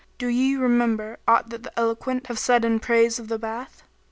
Do ye remember aught that the eloquent have said in praise of the bath.?"